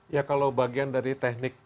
ya kalau bagian dari teknik